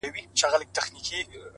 • لکه چي بیا یې تیاره په خوا ده ,